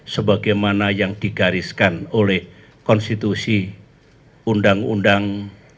sebagaimana yang digariskan oleh konstitusi undang undang